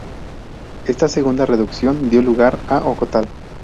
Esta segunda Reducción dio lugar a Ocotal.